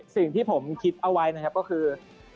สิ่งที่ผมคิดเอาไว้นะครับก็คือ